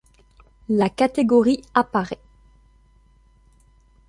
La catégorie apparaît.